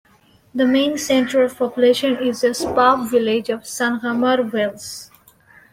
The main centre of population is the spa village of Llangammarch Wells.